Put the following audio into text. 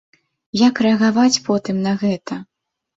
Як рэагаваць потым на гэта?